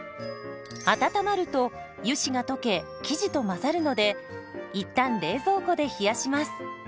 温まると油脂が溶け生地と混ざるのでいったん冷蔵庫で冷やします。